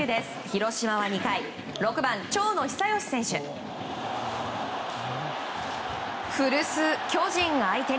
広島は２回６番、長野久義選手。